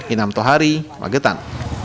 inam tohari magetan